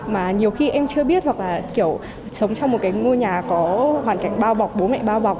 mà nhiều khi em chưa biết hoặc là kiểu sống trong một cái ngôi nhà có hoàn cảnh bao bọc bố mẹ bao bọc